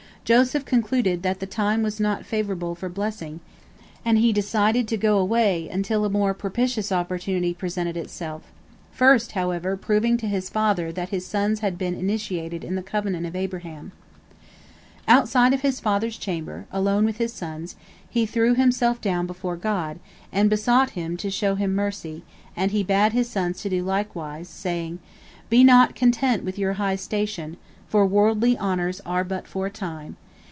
Joseph concluded that the time was not favorable for blessing, and he decided to go away until a more propitious opportunity presented itself, first, however, proving to his father that his sons had been initiated in the covenant of Abraham. Outside of his father's chamber, alone with his sons, he threw himself down before God and besought Him to show him mercy, and he bade his sons do likewise, saying, "Be not content with your high station, for worldly honors are but for a time.